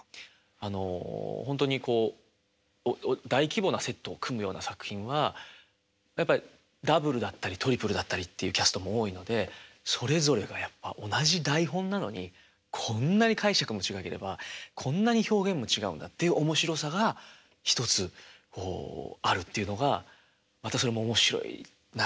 あのほんとにこう大規模なセットを組むような作品はやっぱりダブルだったりトリプルだったりっていうキャストも多いのでそれぞれがやっぱ同じ台本なのにこんなに解釈も違ければこんなに表現も違うんだって面白さが１つあるっていうのがまたそれも面白いなって思いますよね。